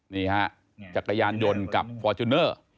นี่ฮะจักรยานยนต์กับฟอร์จูเนอร์